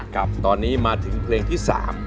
กับตอนนี้มาถึงเพลงที่๓